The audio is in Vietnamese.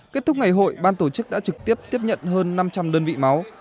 kết thúc ngày hội ban tổ chức đã trực tiếp tiếp nhận hơn năm trăm linh đơn vị máu